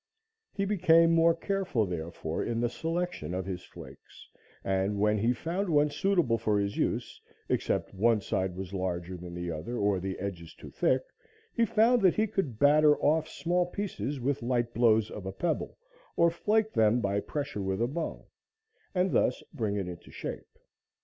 He became more careful, therefore, in the selection of his flakes, and when he found one suitable for his use, except one side was larger than the other or the edges too thick, he found that he could batter off small pieces with light blows of a pebble, or flake them by pressure with a bone, and thus bring it into shape.